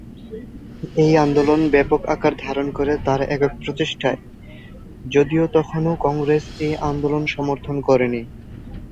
এই আন্দোলন ব্যপক আকার ধারণ করে তাঁর একক প্রচেষ্টায়, যদিও তখনও কংগ্রেস এই আন্দোলন সমর্থন করেনি।